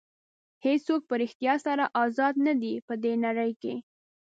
هېڅوک په ریښتیا سره ازاد نه دي په دې نړۍ کې.